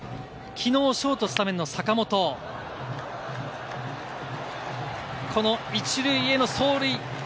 きのうショートスタメンの坂本、この１塁への走塁。